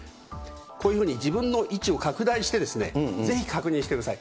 こういうふうに自分の位置を拡大して、ぜひ確認してください。